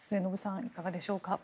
いかがでしょうか。